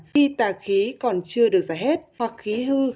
khi tạ khí còn chưa được giải hết hoặc khí hư